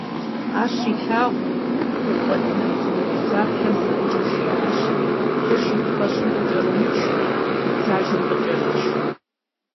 Ар щилъагъум, вакӀуэлӀ набдзэгубдзаплъэм занщӀэу жиӀащ: - Лыр шыпхэщӀым къыкӀэрумычу, и дзажэм къыкӀэрыч.